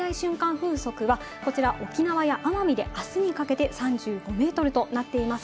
風速はこちら沖縄や奄美で、あすにかけて３５メートルとなっています。